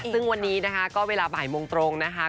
ซึ่งวันนี้นะคะก็เวลาบ่ายโมงตรงนะคะ